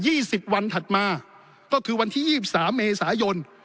สิบวันถัดมาก็คือวันที่ยี่สิบสามเมษายน